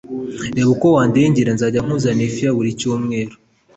reba uko wandengera nzajya nkuzanira ifi ya buri cyumweru.